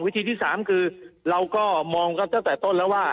วิธีที่๓คือเราก็มองกันตั้งแต่ต้นแล้วว่า